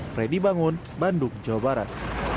freddy bangun bandung jawa barat